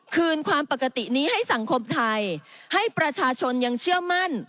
คืนความปกตินี้ให้สังคมไทยให้ประชาชนยังเชื่อมั่น